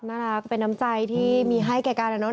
น่ารักเป็นน้ำใจที่มีให้แก่กันนะเนอ